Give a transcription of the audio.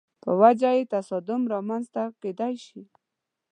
په وجه یې تصادم رامنځته کېدای شي.